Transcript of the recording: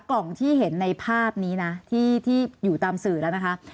กล่องที่เห็นในภาพนี้นะที่อยู่ตามสื่อแล้วนะคะ